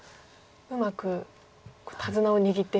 うまく手綱を握ってるような。